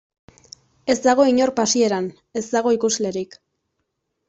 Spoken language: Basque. Ez dago inor pasieran, ez dago ikuslerik.